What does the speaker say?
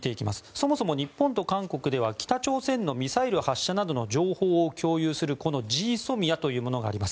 そもそも日本と韓国では北朝鮮のミサイル発射などの情報を共有するこのＧＳＯＭＩＡというものがあります。